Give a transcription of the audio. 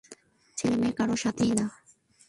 ছেলে মেয়ে কারো সাথেই না।